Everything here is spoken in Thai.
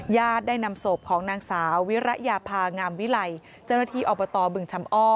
ญาติได้นำศพของนางสาววิระยาพางามวิไลจันทรธิอบตบึงชำอ้อ